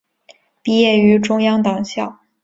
毕业于中央党校。